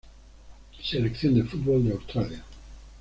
Selección de fútbol de Australia